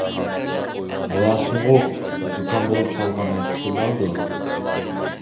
ھاۋا سوغۇق زۇكام بولۇپ قالغان نەچچىسى باردۇر.